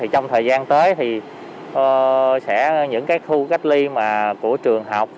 trong thời gian tới thì những cái khu cách ly của trường học